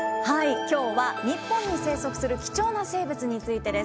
きょうは日本に生息する貴重な生物についてです。